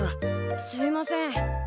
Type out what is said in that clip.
すいません。